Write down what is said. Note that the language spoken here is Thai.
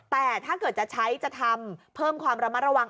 แต่ถ้าเกิดจะใช้จะทำเพิ่มความระมัดระวัง